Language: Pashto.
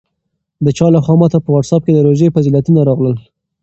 د چا لخوا ماته په واټساپ کې د روژې فضیلتونه راغلل.